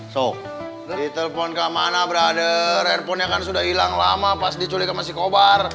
so ditelepon kemana brade handphonenya kan sudah hilang lama pas diculik sama si kobar